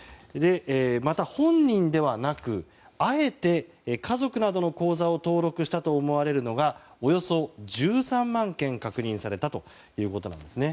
また、本人ではなくあえて家族などの口座を登録したと思われるのがおよそ１３万件確認されたということなんです。